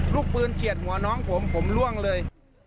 ลูกปืนเฉียดหัวน้องผมผมล่วงเลย